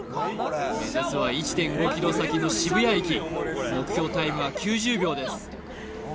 目指すは１．５ｋｍ先の渋谷駅目標タイムは９０秒です